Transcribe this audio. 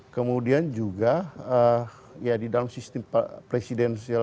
kemudian juga ya di dalam sistem presidensial